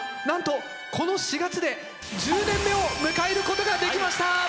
なんとこの４月で１０年目を迎えることができました。